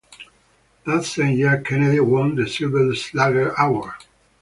That same year Kennedy won the Silver Slugger Award.